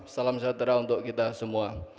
salam sejahtera untuk kita semua